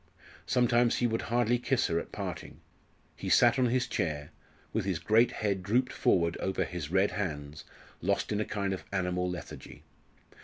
Sometimes he would hardly kiss her at parting; he sat on his chair, with his great head drooped forward over his red hands, lost in a kind of animal lethargy.